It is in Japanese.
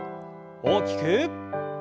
大きく。